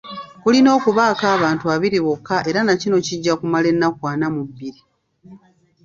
Kulina okubako abantu abiri bokka era na kino kyakumala ennaku ana mu bbiri.